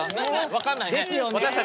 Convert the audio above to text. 分かんないね。ですよね。